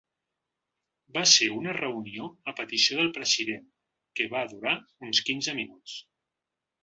Va ser una reunió a petició del president que va durar uns quinze minuts.